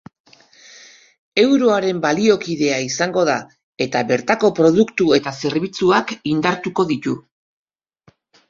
Euroaren baliokidea izango da eta bertako produktu eta zerbitzuak indartuko ditu.